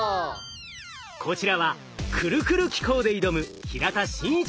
こちらはクルクル機構で挑む平田眞一郎さん。